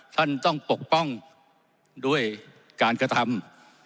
ท่านต้องปกป้องด้วยการกระทำ